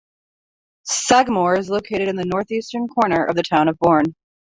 Sagamore is located in the northeastern corner of the town of Bourne.